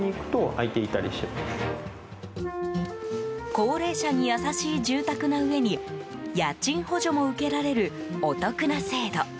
高齢者に優しい住宅なうえに家賃補助も受けられるお得な制度。